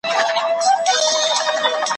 جهاني طبیب مي راکړه د درمل په نامه زهر ,